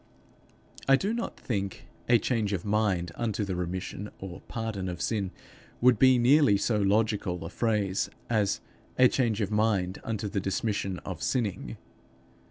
I do not think a change of mind unto the remission or pardon of sin would be nearly so logical a phrase as _a change of mind unto the dismission of sinning.